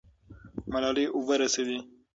ملالۍ اوبه رسوي.